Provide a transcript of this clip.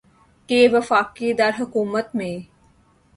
کہ وفاقی دارالحکومت میں